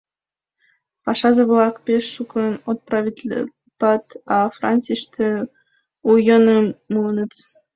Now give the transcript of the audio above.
Пашазе-влак пеш шукын отравитлалтыт, а Францийыште у йӧным муыныт...